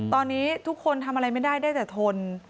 ตอนนี้ทุกคนทำอะไรไม่ได้ได้แต่ทน